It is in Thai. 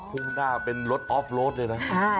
่งหน้าเป็นรถออฟโรดเลยนะ